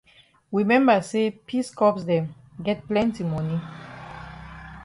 We memba say peace corps dem get plenti moni.